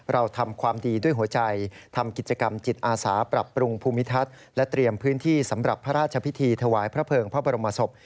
เราทำความดีด้วยหัวใจทำกิจกรรมจิตอาสาปรับปรุงภูมิทัศน์และเตรียมพื้นที่สำหรับพระราชพิธีถวายพระเภิงพระบรมศพ